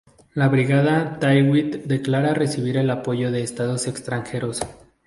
La Brigada Tawhid declara recibir el apoyo de Estados extranjeros.